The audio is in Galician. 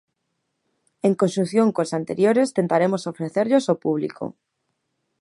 En conxunción cos anteriores, tentaremos ofrecerllos ao público.